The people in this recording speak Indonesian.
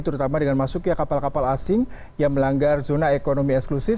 terutama dengan masuknya kapal kapal asing yang melanggar zona ekonomi eksklusif